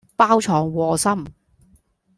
包藏禍心